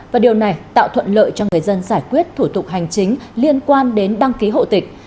và điều này tạo thuận lợi cho người dân giải quyết thủ tục hành chính liên quan đến đăng ký hộ tịch